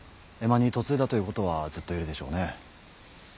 江間に嫁いだということはずっといるでしょうね。